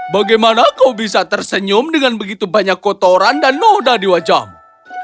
bagaimana kau bisa tersenyum dengan begitu banyak kotoran dan noda di wajahmu